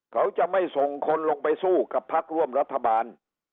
เขาจะไม่ส่งคนลงไปสู้กับพักร่วมรัฐบาล